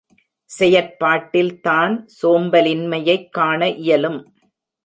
செயற்பாட்டில் தான், சோம்பலின்மையைக் காண இயலும்.